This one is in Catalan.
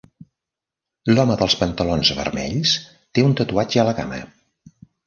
L'home dels pantalons vermells té un tatuatge a la cama.